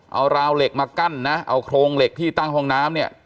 เอาราวเหล็กมากั้นนะเอาโครงเหล็กที่ตั้งห้องน้ำเนี่ย